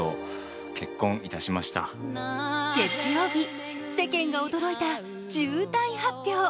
月曜日、世間が驚いた重大発表。